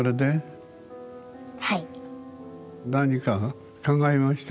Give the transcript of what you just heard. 何か考えました？